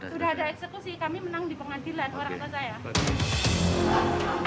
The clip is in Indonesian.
sudah ada eksekusi kami menang di pengadilan orang tuanya